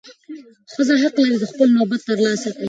ښځه حق لري چې خپل نوبت ترلاسه کړي.